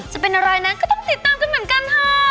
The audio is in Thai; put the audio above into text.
จะเป็นอะไรนั้นก็ต้องติดตามกันเหมือนกันค่ะ